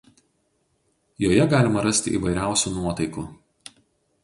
Joje galima rasti įvairiausių nuotaikų.